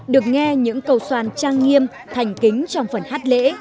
được nghe những cầu xoan trang nghiêm thành kính trong phần hát lễ